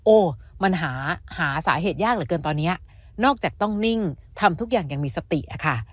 โอ้มันหาสาเหตุยากเหลือเกินตอนนี้นอกจากต้องนิ่งทำทุกอย่างอย่างมีสติอะค่ะ